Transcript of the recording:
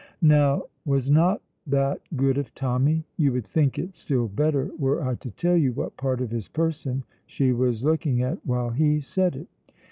Now was not that good of Tommy? You would think it still better were I to tell you what part of his person she was looking at while he said it.